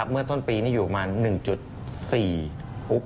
เมื่อต้นปีนี่อยู่มา๑๔ปุ๊บ